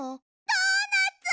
ドーナツ！